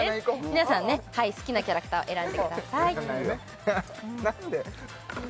皆さん好きなキャラクターを選んでください何で？